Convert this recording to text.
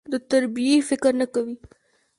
د تربيې فکر نه کوي.